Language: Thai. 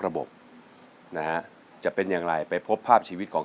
ลูกทุ่งสู้ชีวิต